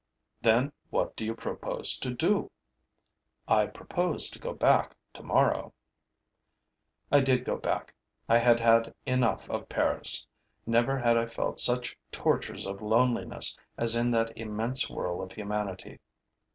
'Then what do you propose to do?' 'I propose to go back tomorrow. I did go back, I had had enough of Paris: never had I felt such tortures of loneliness as in that immense whirl of humanity.